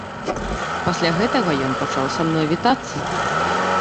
Пасля гэтага ён пачаў са мной вітацца.